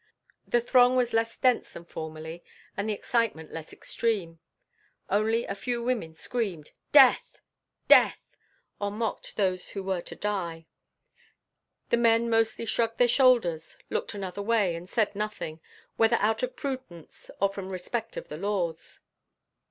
The throng was less dense than formerly, and the excitement less extreme. Only a few women screamed, "Death! death!" or mocked those who were to die. The men mostly shrugged their shoulders, looked another way, and said nothing, whether out of prudence or from respect of the laws.